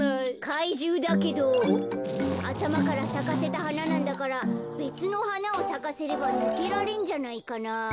かいじゅうだけどあたまからさかせたはななんだからべつのはなをさかせればぬけられんじゃないかな？